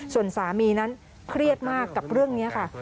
ส่วนสามีนั้นเครียดมากกับเรื่องนี้ค่ะ